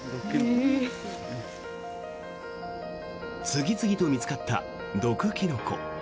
次々と見つかった毒キノコ。